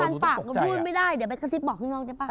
มึงคานปากมึงพูดไม่ได้เดี๋ยวกดบอกที่นอกได้ป่ะ